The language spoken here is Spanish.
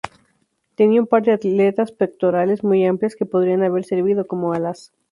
Tenía un par de aletas pectorales muy amplias que podrían haber servido como alas.